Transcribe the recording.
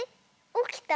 おきた？